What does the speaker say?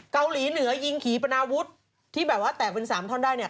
เกาหลีเหนือยิงขี่ปนาวุฒิที่แบบว่าแตกเป็นสามท่อนได้เนี่ย